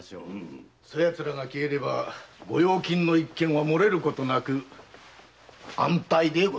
そやつらが消えれば御用金の一件は漏れることなく安泰です。